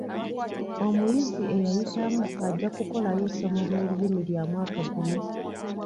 Omuyizi eyayitamu ajja kukolayo essomo ly'olulimi lya mwaka gumu.